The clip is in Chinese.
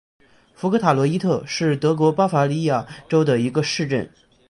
福格塔罗伊特是德国巴伐利亚州的一个市镇。